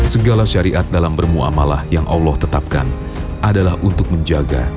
segala syariat dalam bermuamalah yang allah tetapkan adalah untuk menjaga